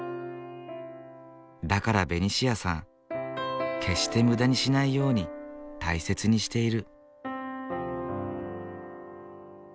だからベニシアさん決して無駄にしないように大切にしている。